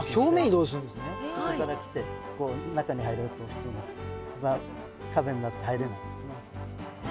ここから来てこう中に入ろうとしてもここが壁になって入れないんですね。